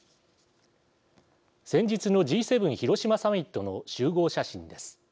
先日のＧ７広島サミットの集合写真です。